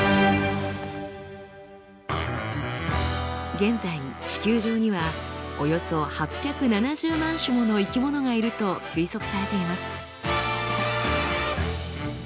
現在地球上にはおよそ８７０万種もの生き物がいると推測されています。